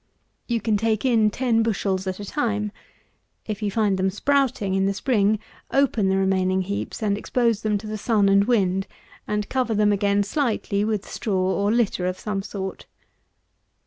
You can take in ten bushels at a time. If you find them sprouting in the spring, open the remaining heaps, and expose them to the sun and wind; and cover them again slightly with straw or litter of some sort.